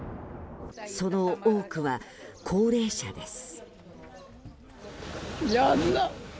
その多くは、高齢者です。